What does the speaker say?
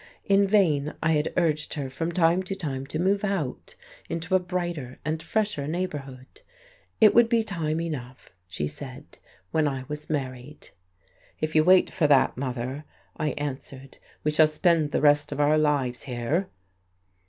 In vain I had urged her from time to time to move out into a brighter and fresher neighbourhood. It would be time enough, she said, when I was married. "If you wait for that, mother," I answered, "we shall spend the rest of our lives here."